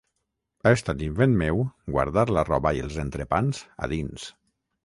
Ha estat invent meu, guardar la roba i els entrepans a dins.